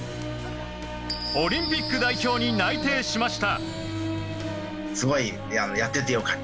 オリンピック代表に内定しました。